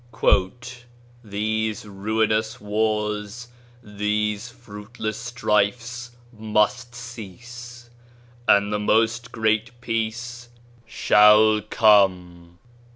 16 "These ruinous wars, these fruitless strifes must cease: and the Most Great Peace shall come